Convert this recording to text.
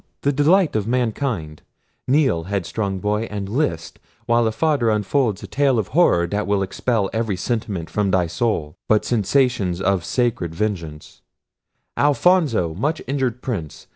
the delight of mankind! Kneel, headstrong boy, and list, while a father unfolds a tale of horror that will expel every sentiment from thy soul, but sensations of sacred vengeance—Alfonso! much injured prince!